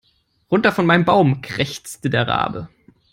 "Runter von meinem Baum", krächzte der Rabe.